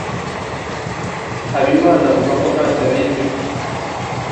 Habimana avuga ko ntacyo abiziho.